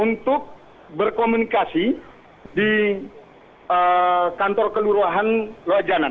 untuk berkomunikasi di kantor kelurahan lojanan